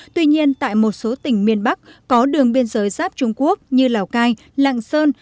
tuy nhiên tại một số tỉnh miền bắc có đường biên giới giáp trung quốc như lào cai lạng sơn